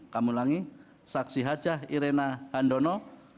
kamulangi saksi hajah irena handono